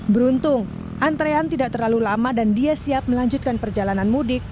beruntung antrean tidak terlalu lama dan dia siap melanjutkan perjalanan mudik